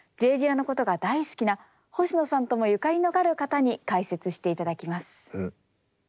Ｊ・ディラのことが大好きな星野さんともゆかりのある方に解説していただきます。